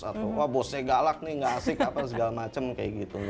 atau wah bosnya galak nih gak asik apa segala macam kayak gitu